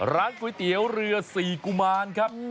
ร้านก๋วยเตี๋ยวเรือ๔กุมารครับ